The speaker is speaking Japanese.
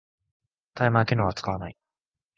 タイマー機能は使わない